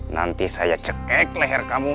nanti saya cekek leher kamu